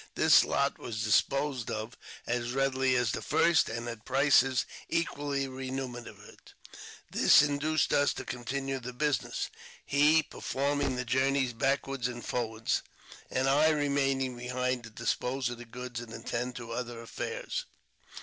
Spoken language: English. This lot was disposed of as readily as the first, and at prices equally remunerative. This induced us to continue the business, he performing the journeys backward and forward, and Ij remaining behind to dispose of the goods and attend to other affairs.